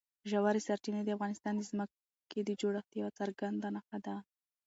ژورې سرچینې د افغانستان د ځمکې د جوړښت یوه څرګنده نښه ده.